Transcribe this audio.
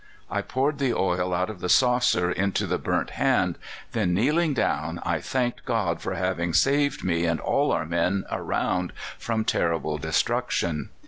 I poured the oil out of the saucer into the burnt hand, then kneeling down, I thanked God for having saved me and all our men around from horrible destruction.